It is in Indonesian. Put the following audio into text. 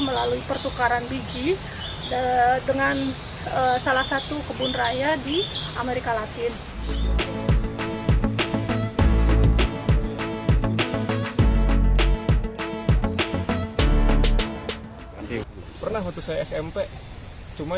melalui pertukaran biji dengan salah satu kebun raya di amerika latin pernah waktu saya smp cuma